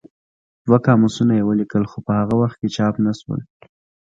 دوه قاموسونه یې ولیکل خو په هغه وخت کې چاپ نه شول.